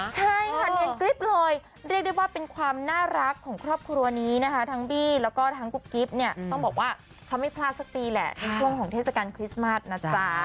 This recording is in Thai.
ใช่ค่ะเนียนกริ๊บเลยเรียกได้ว่าเป็นความน่ารักของครอบครัวนี้นะคะทั้งบี้แล้วก็ทั้งกุ๊บกิ๊บเนี่ยต้องบอกว่าเขาไม่พลาดสักปีแหละในช่วงของเทศกาลคริสต์มาสนะจ๊ะ